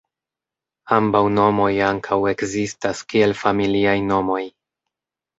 Ambaŭ nomoj ankaŭ ekzistas kiel familiaj nomoj.